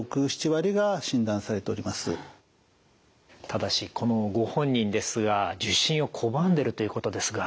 ただしこのご本人ですが受診を拒んでるということですが。